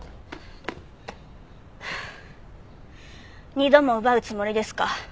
二度も奪うつもりですか？